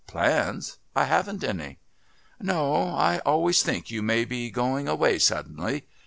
"Plans? I haven't any." "No, but I always think you may be going away suddenly.